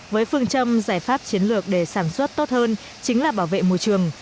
với phương châm giải pháp chiến lược để sản xuất tốt hơn chính là bảo vệ môi trường